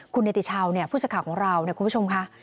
คุณเนติชาวเนี่ยผู้สื่อข่าวของเราเนี่ยคุณผู้ชมค่ะ